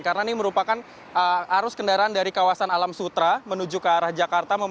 karena ini merupakan arus kendaraan dari kawasan alam sutra menuju ke arah jakarta